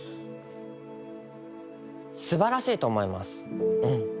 素晴らしいと思いますうん。